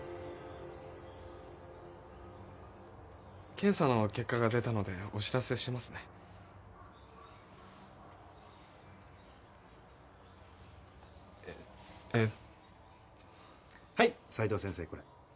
検査の結果が出たのでお知らせしますねえッ・はい斉藤先生